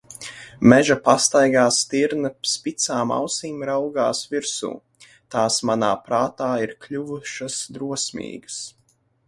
Meža pastaigā stirna spicām ausīm raugās virsū, tās manā prātā ir kļuvušas drosmīgas.